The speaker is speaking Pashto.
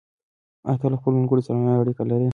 آیا ته له خپلو ملګرو سره آنلاین اړیکه لرې؟